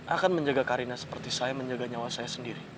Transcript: akan menjaga karina seperti saya menjaga nyawa saya sendiri